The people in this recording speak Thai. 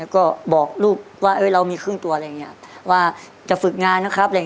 ก็บอกลูกว่าเรามีครึ่งตัวอะไรอย่างนี้ว่าจะฝึกงานนะครับ